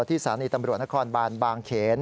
สถานีตำรวจนครบานบางเขน